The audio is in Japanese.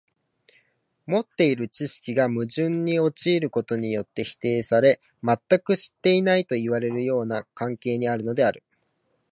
持っている知識が矛盾に陥ることによって否定され、全く知っていないといわれるような関係にあるのである。